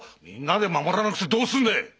みんなで守らなくてどうするんでえ。